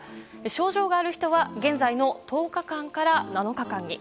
症状がある人は現在の１０日間から７日間に。